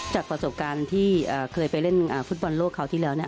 จากประสบการณ์ที่เคยไปเล่นฟุตบอลโลกคราวที่แล้ว